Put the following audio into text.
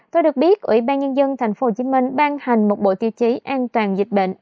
tôi được biết ủy ban nhân dân tp hcm ban hành một bộ tiêu chí an toàn dịch bệnh